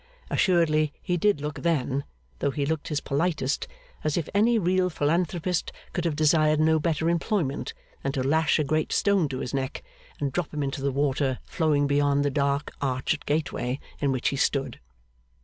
Assuredly he did look then, though he looked his politest, as if any real philanthropist could have desired no better employment than to lash a great stone to his neck, and drop him into the water flowing beyond the dark arched gateway in which he stood.